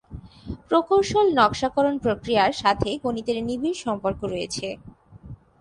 প্রকৌশল নকশাকরণ প্রক্রিয়ার সাথে গণিতের নিবিড় সম্পর্ক আছে।